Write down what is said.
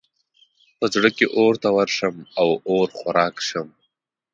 په زړه کې اور ته ورشم او اور خوراک شم.